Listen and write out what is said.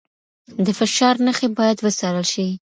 د فشار نښې باید وڅارل شي.